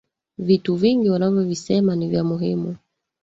Vitu vingi wanavyo visema ni vya muhimu